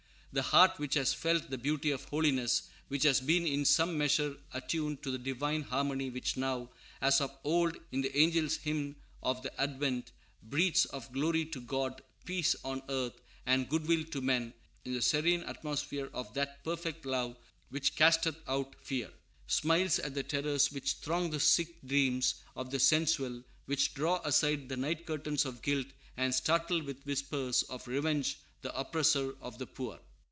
The heart which has felt the "beauty of holiness," which has been in some measure attuned to the divine harmony which now, as of old in the angel hymn of the Advent, breathes of "glory to God, peace on earth, and good will to men," in the serene atmosphere of that "perfect love which casteth out fear," smiles at the terrors which throng the sick dreams of the sensual, which draw aside the nightcurtains of guilt, and startle with whispers of revenge the oppressor of the poor.